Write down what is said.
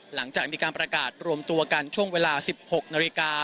หลังจากมีการประกาศรวมตัวกันช่วงเวลา๑๖นาฬิกา